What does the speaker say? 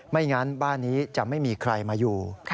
งั้นบ้านนี้จะไม่มีใครมาอยู่